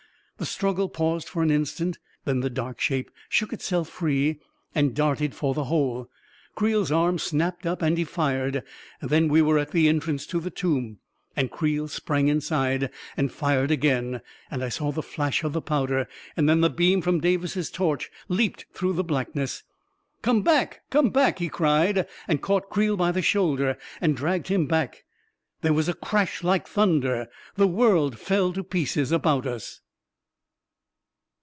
The struggle paused for an instant; then the dark shape shook itself free and darted for the hole. Creel's arm snapped up and he fired; and then we were at the entrance to the tomb; and Creel sprang inside and fired again; and I saw the flash of the powder; and then the beam from Davis's torch leaped through the blackness ..." Come back ! Come back !" he cried, and caught Creel by the shoulder and dragged him back. There was a crash like thunder; the world fell to pieces about us